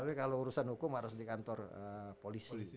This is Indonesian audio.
tapi kalau urusan hukum harus di kantor polisi